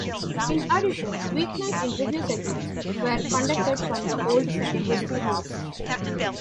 In addition, weeknight interview segments were conducted from the old secondary studios.